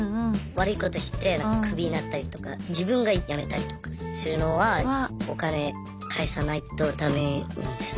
悪いことしてクビになったりとか自分がやめたりとかするのはお金返さないとダメなんです。